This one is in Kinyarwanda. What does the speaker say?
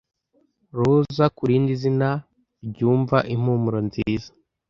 Roza ku rindi zina ryumva impumuro nziza.